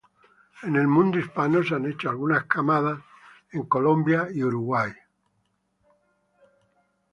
En el mundo hispano se han hecho algunas camadas en Colombia y Uruguay.